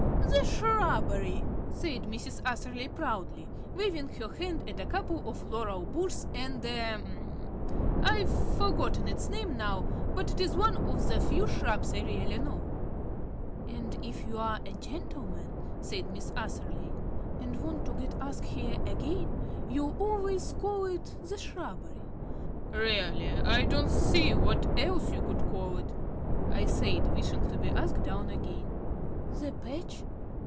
"The shrubbery," said Mrs. Atherley proudly, waving her hand at a couple of laurel bushes, and a I've forgotten its name now, but it is one of the few shrubs I really know. "And if you're a gentleman," said Miss Atherley, "and want to get asked here again, you'll always call it the shrubbery." "Really, I don't see what else you could call it," I said, wishing to be asked down again. "The patch."